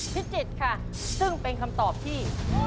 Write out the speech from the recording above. พิจิตรค่ะซึ่งเป็นคำตอบที่